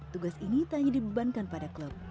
tugas ini tak hanya dibebankan pada klub